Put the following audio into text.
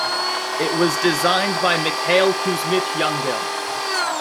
It was designed by Mikhail Kuzmich Yangel.